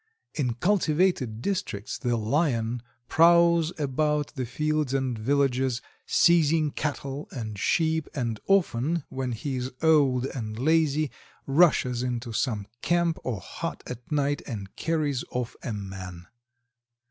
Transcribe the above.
In cultivated districts the Lion prowls about the fields and villages, seizing cattle and sheep, and often, when he is old and lazy, rushes into some camp or hut at night and carries off a man.